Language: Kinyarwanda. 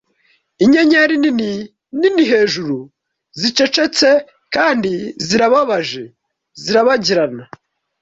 Inyenyeri nini nini hejuru, zicecetse kandi zirababaje zirabagirana,